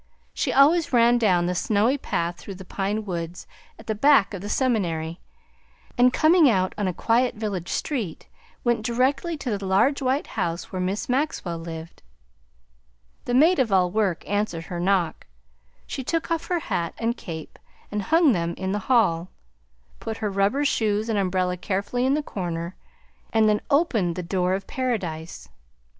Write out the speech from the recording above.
She always ran down the snowy path through the pine woods at the back of the seminary, and coming out on a quiet village street, went directly to the large white house where Miss Maxwell lived. The maid of all work answered her knock; she took off her hat and cape and hung them in the hall, put her rubber shoes and umbrella carefully in the corner, and then opened the door of paradise.